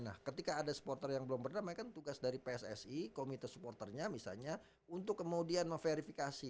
nah ketika ada supporter yang belum berdamai kan tugas dari pssi komite supporternya misalnya untuk kemudian memverifikasi